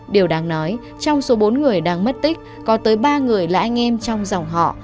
điều đáng nói trong số bốn người đang mất tích có tới ba người là anh em trong dòng họ